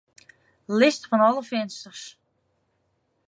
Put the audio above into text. List fan alle finsters.